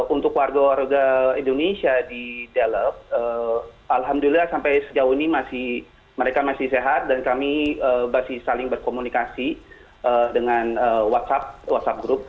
untuk warga warga indonesia di dellow alhamdulillah sampai sejauh ini mereka masih sehat dan kami masih saling berkomunikasi dengan whatsapp whatsapp group